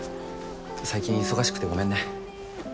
最近忙しくてごめんね